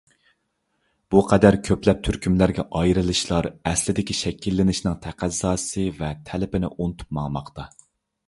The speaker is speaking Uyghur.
بۇ قەدەر كۆپلەپ تۈركۈملەرگە ئايرىلىشلار ئەسلىدىكى شەكىللىنىشىنىڭ تەقەززاسى ۋە تەلىپىنى ئۇنتۇپ ماڭماقتا.